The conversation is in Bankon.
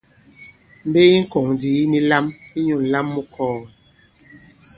Mbe yi ŋkɔ̀ŋ ndì yi ni lam inyū ǹlam mu kɔɔ̀gɛ̀.